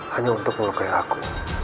hanya untuk melukai aku